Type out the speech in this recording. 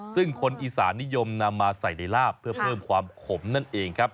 ซึ่งคนอีสานนิยมนำมาใส่ในลาบเพื่อเพิ่มความขมนั่นเองครับ